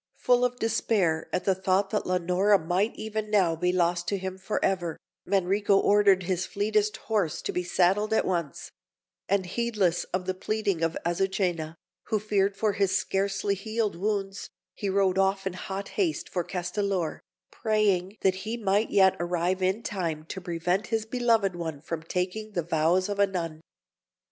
Full of despair at the thought that Leonora might even now be lost to him for ever, Manrico ordered his fleetest horse to be saddled at once; and, heedless of the pleading of Azucena, who feared for his scarcely healed wounds, he rode off in hot haste for Castellor, praying that he might yet arrive in time to prevent his beloved one from taking the vows of a nun.